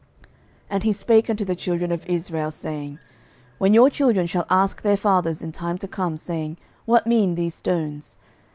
06:004:021 And he spake unto the children of Israel, saying, When your children shall ask their fathers in time to come, saying, What mean these stones?